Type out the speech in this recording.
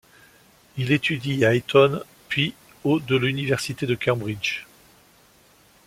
Il étudie à Eton puis au de l'université de Cambridge.